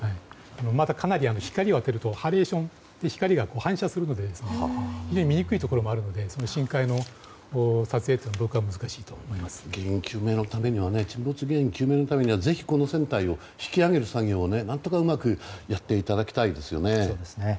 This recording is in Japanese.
また、かなり光を当てるとハレーションと言って光が反射するので非常に見にくいところもあるので深海の撮影は沈没原因究明のためにはぜひこの船体を引き揚げる作業を何とかうまくやっていただきたいですよね。